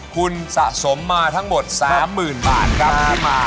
คุณสะสมมาทั้งหมด๓๐๐๐๐บาทครับ